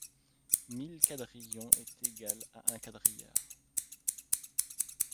Mille quadrillions est égale à un quadrilliard.